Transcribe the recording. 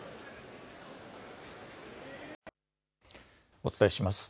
お伝えします。